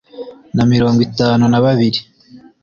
na mirongo itanu na babiri